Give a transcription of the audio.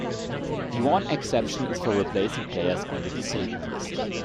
The one exception is for replacing players on the disabled list.